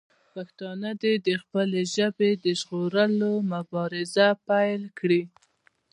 پښتانه دې د خپلې ژبې د ژغورلو مبارزه پیل کړي.